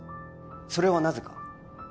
それはなぜか？